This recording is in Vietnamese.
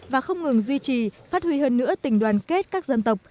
và không ngừng duy trì phát huy hơn nữa tình đoàn kết các dân tộc